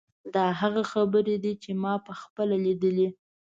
دا هغه خبرې دي چې ما په خپله لیدلې.